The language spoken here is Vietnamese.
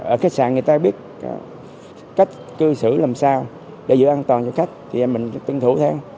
ở khách sạn người ta biết cách cư xử làm sao để giữ an toàn cho khách thì mình tuân thủ theo